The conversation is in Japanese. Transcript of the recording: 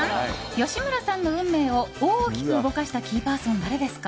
吉村さんの運命を大きく動かしたキーパーソンは誰ですか？